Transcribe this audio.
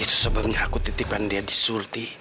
itu sebelumnya aku titipkan dia di sulti